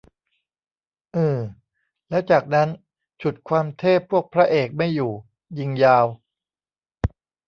อือ แล้วจากนั้นฉุดความเทพพวกพระเอกไม่อยู่ ยิงยาว